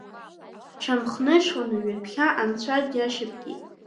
Дшьамхнышланы, ҩаԥхьа Анцәа диашьапкит.